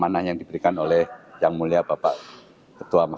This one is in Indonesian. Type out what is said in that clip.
yang mana yang diberikan oleh yang mulia bapak ketua ma